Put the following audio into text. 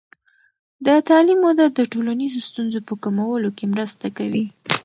د تعلیم وده د ټولنیزو ستونزو په کمولو کې مرسته کوي.